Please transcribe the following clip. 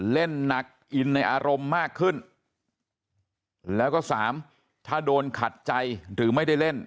เล่นหนักอินในอารมณ์มากขึ้นแล้วก็สามถ้าโดนขัดใจหรือไม่ได้เล่น